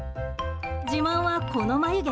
自慢は、この眉毛。